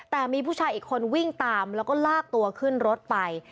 แต่มีผู้ชายอีกคนวิ่งตามแล้วก็ลากตัวขึ้นรถไป